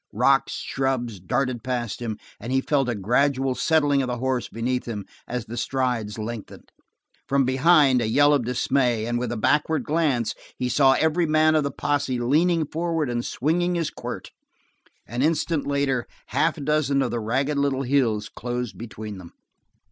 Rocks, shrubs darted past him, and he felt a gradual settling of the horse beneath him as the strides lengthened, From behind a yell of dismay, and with a backward glance he saw every man of the posse leaning forward and swinging his quirt. An instant later half a dozen of the ragged little hills closed between them.